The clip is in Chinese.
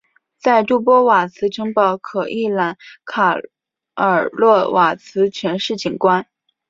在杜波瓦茨城堡可一览卡尔洛瓦茨全市景观。